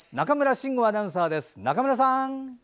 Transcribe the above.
中村慎吾アナウンサーです。